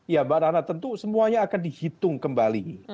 ya mbak nana tentu semuanya akan dihitung kembali